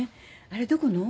あれどこの？